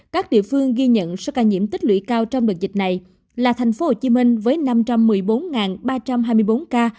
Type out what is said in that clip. các địa phương ghi nhận số ca nhiễm tích lưỡi cao trong đợt dịch này là thành phố hồ chí minh với năm trăm một mươi bốn ba trăm hai mươi bốn ca